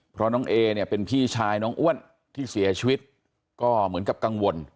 เพราะน้องเอเนี่ยเป็นพี่ชายน้องอ้วนที่เสียชีวิตก็เหมือนกับกังวล